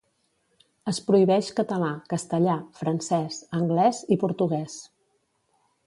Es prohibeix català, castellà, francès, anglès i portuguès.